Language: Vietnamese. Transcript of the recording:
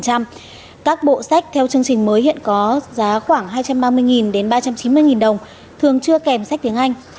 các bộ sách theo chương trình mới hiện có giá khoảng hai trăm ba mươi đến ba trăm chín mươi đồng thường chưa kèm sách tiếng anh